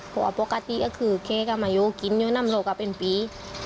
เพราะว่าปกติก็คือเขากำลังอยู่กินอยู่นั่งโรคก็เป็นปี